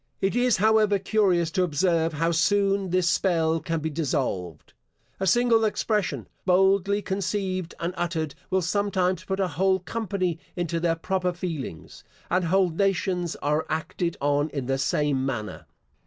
It is, however, curious to observe how soon this spell can be dissolved. A single expression, boldly conceived and uttered, will sometimes put a whole company into their proper feelings: and whole nations are acted on in the same manner.